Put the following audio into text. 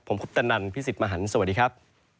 ผมคุปตะนันพี่สิทธิ์มหันฯสวัสดีครับ